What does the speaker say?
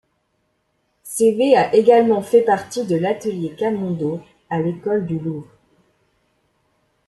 Cévé a également fait partie de l’atelier Camondo à l’École du Louvre.